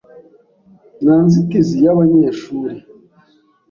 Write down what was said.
Nta nzitizi y’abanyeshuri.